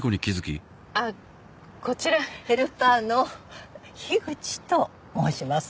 あっこちらヘルパーの樋口と申します